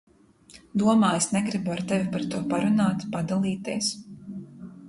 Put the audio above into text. Domā, es negribu ar tevi par to parunāt, padalīties?